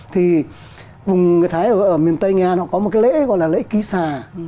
thì vùng người thái ở miền tây nghệ an họ có một cái lễ gọi là lễ ký xà